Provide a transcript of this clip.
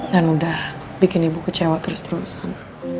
dan udah bikin ibu kecewa terus terusan